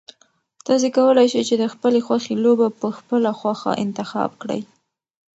تاسو کولای شئ چې د خپلې خوښې لوبه په خپله خوښه انتخاب کړئ.